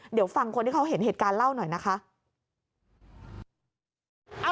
เดี๋ยวฟังคนที่เขาเห็นเหตุการณ์เล่าหน่อยนะคะ